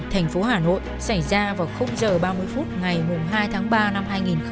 thành phố hà nội xảy ra vào h ba mươi phút ngày hai tháng ba năm hai nghìn hai mươi